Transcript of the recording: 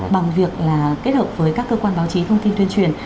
bằng việc là kết hợp với các cơ quan báo chí thông tin tuyên truyền